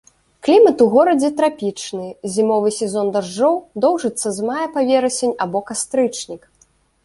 Клімат у горадзе трапічны, зімовы сезон дажджоў доўжыцца з мая па верасень або кастрычнік.